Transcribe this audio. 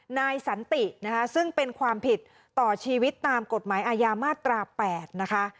นายสันตินะคะซึ่งเป็นความผิดต่อชีวิตตามกฎหมายอาญามาตรา๘นะคะ